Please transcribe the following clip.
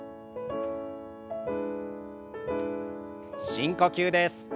深呼吸です。